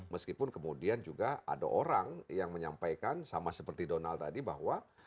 meskipun kemudian juga ada orang yang menyampaikan sama seperti donald tadi bahwa